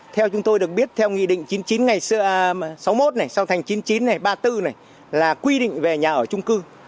theo chúng tôi được biết theo nghị định chín mươi chín ngày sáu mươi một này sau thành chín mươi chín này ba mươi bốn này là quy định về nhà ở trung cư